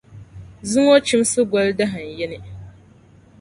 Zuŋↄ Chimsi goli dahinyini.